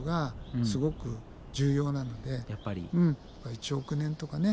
１億年とかね